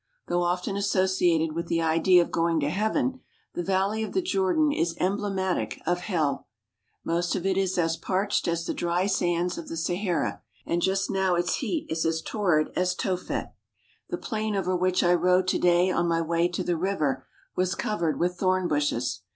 Though often associated with the idea of going to heaven, the Valley of the Jordan is em blematic of hell. Most of it is as parched as the dry sands of the Sahara, and just now its heat is as torrid as Tophet. The plain over which I rode to day on my way to the river was covered with thorn bushes.